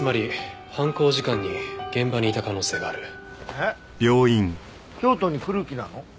えっ京都に来る気なの？